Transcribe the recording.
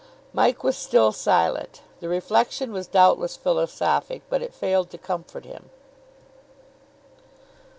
Mike was still silent. The reflection was doubtless philosophic, but it failed to comfort him.